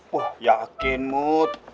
wah yakin mut